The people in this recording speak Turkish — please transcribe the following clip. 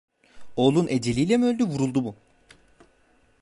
Oğlun eceliyle mi öldü, vuruldu mu?